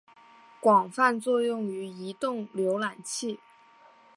广泛作用于移动浏览器。